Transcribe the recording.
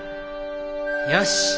よし！